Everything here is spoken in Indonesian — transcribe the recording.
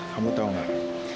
kamu tahu gak